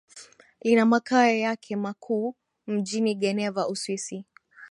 lina makao yake makuu mjini geneva Uswisi